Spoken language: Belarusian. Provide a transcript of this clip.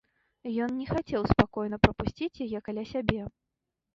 Ён не хацеў спакойна прапусціць яе каля сябе.